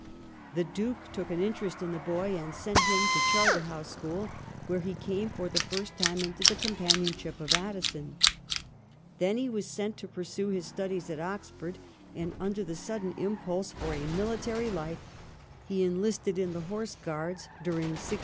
The Duke took an interest in the boy, and sent him to Charter house School, where he came for the first time into the companionship of Addison. Then he was sent to pursue his studies at Oxford, and under the sudden impulse for a mihtary life he enlisted in the Horse Guards during 1694.